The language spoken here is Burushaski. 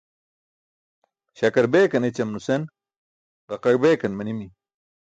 Śakar beekan ećam nuse ġaqaẏ beekan manimi.